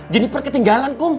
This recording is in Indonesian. jeniper ketinggalan kum